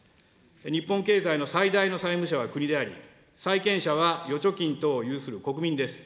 日本経済の最大の債務者は国であり、債権者は預貯金等を有する国民です。